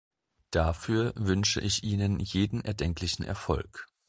Dafür wünsche ich Ihnen jeden erdenklichen Erfolg.